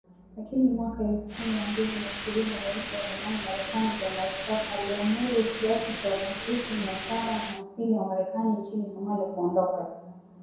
Lakini mwaka elfu mbili na ishirini Rais wa zamani Marekani Donald Trump aliamuru kiasi cha wanajeshi mia saba na hamsini wa Marekani nchini Somalia kuondoka.